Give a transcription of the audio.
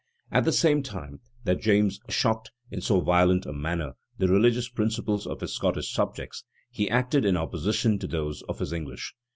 At the same time that James shocked, in so violent a manner, the religious principles of his Scottish subjects, he acted in opposition to those of his English.